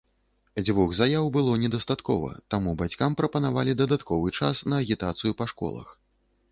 Дзвюх заяў было недастаткова, таму бацькам прапанавалі дадатковы час на агітацыю па школах.